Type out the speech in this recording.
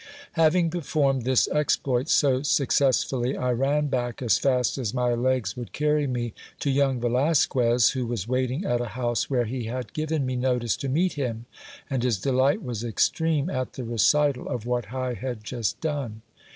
Having performed this exploit so successfully, I ran back as fast as my legs would carry me to young Velasquez, who was waiting at a house where he had given me notice to meet him, and his delight was extreme at the recital of what I had just done.